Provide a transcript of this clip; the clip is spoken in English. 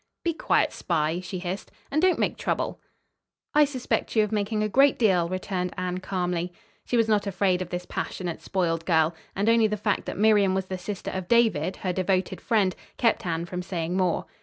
"Be quiet, spy," she hissed, "and don't make trouble." "I suspect you of making a great deal," returned Anne, calmly. She was not afraid of this passionate, spoiled girl, and only the fact that Miriam was the sister of David, her devoted friend, kept Anne from saying more.